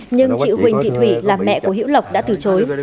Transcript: nhưng chị huỳnh thị thủy là mẹ của hiễu lộc đã từ chối